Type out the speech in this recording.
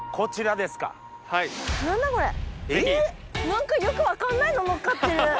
何かよく分かんないののっかってる。